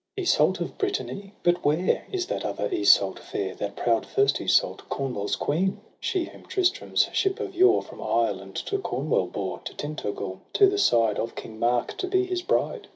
Iseult of Brittany? — but where Is that other Iseult fair, That proud, first Iseult, Cornwall's queen ? She, whom Tristram's ship of yore From Ireland to Cornwall bore. To Tyntagel, to the side Of King Marc, to be his bride